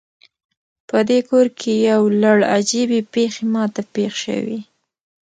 پدې کور کې یو لړ عجیبې پیښې ما ته پیښ شوي